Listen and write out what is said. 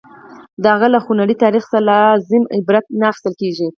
د هغه له خونړي تاریخ څخه لازم عبرت نه اخیستل کېږي.